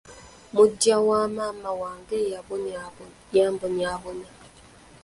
Muggya wamaama wange yambonyaabonya.